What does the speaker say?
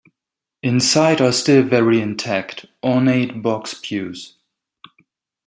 Inside are still very intact, ornate box pews.